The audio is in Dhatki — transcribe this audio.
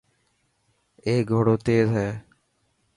اي گهوڙو تيز هي.